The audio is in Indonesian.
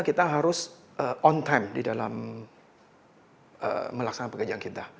kita harus on time di dalam melaksanakan pekerjaan kita